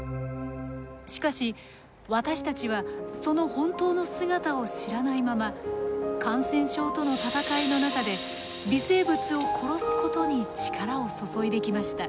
しかし私たちはその本当の姿を知らないまま感染症との戦いの中で微生物を殺すことに力を注いできました。